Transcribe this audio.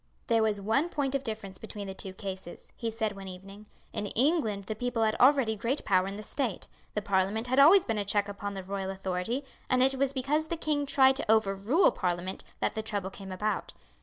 "There was one point of difference between the two cases," he said one evening. "In England the people had already great power in the state. The parliament had always been a check upon the royal authority; and it was because the king tried to overrule parliament that the trouble came about.